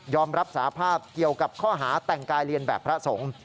รับสาภาพเกี่ยวกับข้อหาแต่งกายเรียนแบบพระสงฆ์